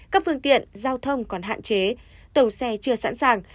các phương tiện giao thông còn hạn chế tàu xe chưa sẵn sàng